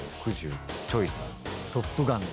『トップガン』の。